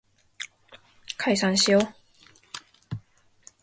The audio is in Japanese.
解散しよう